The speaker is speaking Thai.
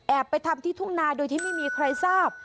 ไปทำที่ทุ่งนาโดยที่ไม่มีใครทราบ